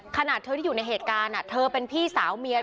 ขนาดเธอที่อยู่ในเหตุการณ์เธอเป็นพี่สาวเมีย